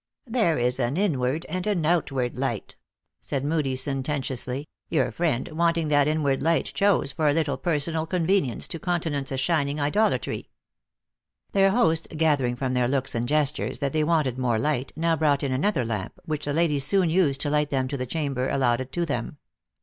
"There is an inward and an outward light," said Moodie, sententiously :" your friend, wanting that in ward light, chose, for a little personal convenience, to countenance a shining idolatry." Their host, gather ing from their looks and gestures that they wanted more light, now brought in another lamp, which the ladies soon used to light them to the chamber allotted to them.